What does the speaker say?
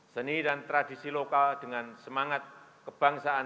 seni dan tradisi lokal dengan semangat kebangsaan